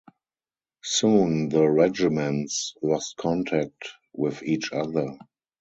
Soon the regiments lost contact with each other.